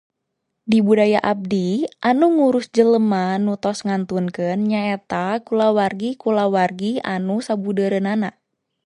Di budaya abdi, anu ngurus jelema nu tos ngantunkeun nyaeta kulawargi-kulawargi anu sabudeureunana.